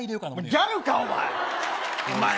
ギャルか、お前。